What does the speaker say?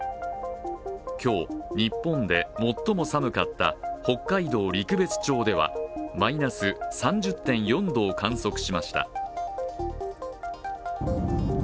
今日、日本で最も寒かった北海道陸別町ではマイナス３０．４度を観測しました。